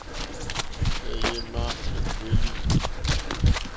Êyé émá ékpélí.